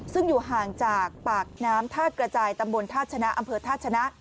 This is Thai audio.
ซึ่งอยู่ห่างจากปากน้ำธาตุกระจายตำบลธาตุชนะอำเภอธาตุชนะ